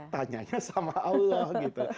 tanyanya sama allah gitu